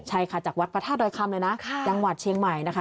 ใช่ค่ะจากวัดพระธาตุดอยคำเลยนะจังหวัดเชียงใหม่นะคะ